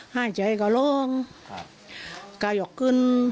หายใจก็รู้